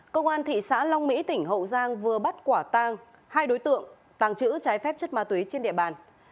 công an thị xã long mỹ tỉnh hậu giang vừa bắt quả tang hai đối tượng tàng trữ trái phép chất ma túy trên địa bàn